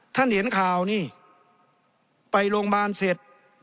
เห็นข่าวนี่ไปโรงพยาบาลเสร็จ